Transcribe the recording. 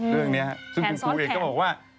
คุณครูเองก็บอกว่า